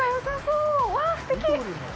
うわぁ、すてき！